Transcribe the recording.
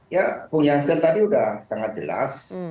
ya bu jansen tadi udah sangat jelas